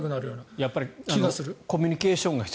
やっぱりコミュニケーションが必要。